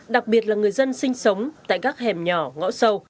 đặc biệt là người dân sinh sống tại các hẻm nhỏ ngõ sâu